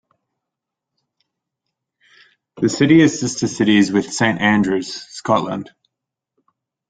The city is sister cities with Saint Andrews, Scotland.